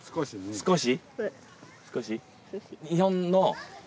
少し？